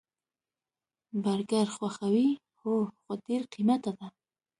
برګر خوښوئ؟ هو، خو ډیر قیمته ده